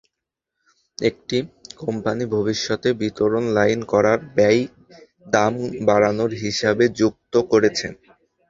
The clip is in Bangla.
একটি কোম্পানি ভবিষ্যতে বিতরণ লাইন করার ব্যয় দাম বাড়ানোর হিসাবে যুক্ত করেছে।